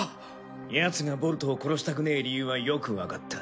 ヤツがボルトを殺したくねえ理由はよくわかった。